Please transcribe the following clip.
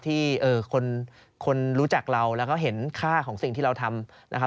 ที่คนรู้จักเราแล้วก็เห็นค่าของสิ่งที่เราทำนะครับ